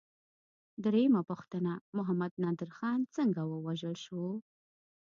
درېمه پوښتنه: محمد نادر خان څنګه ووژل شو؟